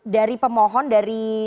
dari pemohon dari